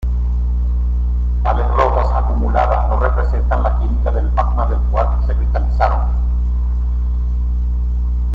Tales rocas acumuladas no representan la química del magma del cual se cristalizaron.